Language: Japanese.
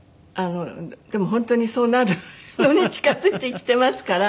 でも本当にそうなるのに近づいてきてますから。